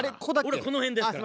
俺この辺ですから。